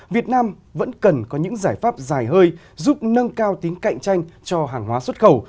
việt nam vẫn cần có những giải pháp dài hơi giúp nâng cao tính cạnh tranh cho hàng hóa xuất khẩu